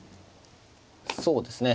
そうですね